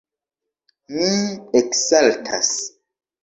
Mi eksaltas.